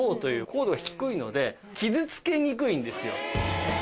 硬度が低いので傷つけにくいんですよ。